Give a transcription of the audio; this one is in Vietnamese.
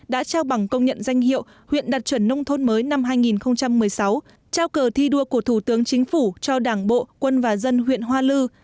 đã trao bằng công nhận danh hiệu huyện đạt chuẩn nông thôn mới năm hai nghìn một mươi sáu trao cờ thi đua của thủ tướng chính phủ cho đảng bộ quân và dân huyện hoa lư